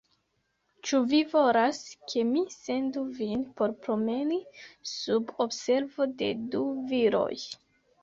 Ĉu vi volas, ke mi sendu vin por promeni, sub observo de du viroj?